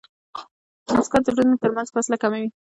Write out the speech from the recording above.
موسکا د زړونو ترمنځ فاصله کموي.